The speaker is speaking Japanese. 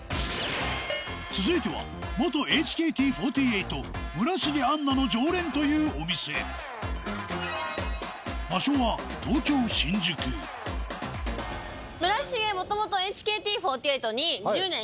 続いては元ＨＫＴ４８村重杏奈の常連というお店場所は東京新宿村重。